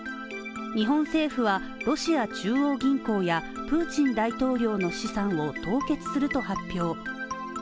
日本政府はロシア中央銀行や、プーチン大統領の資産を凍結すると発表。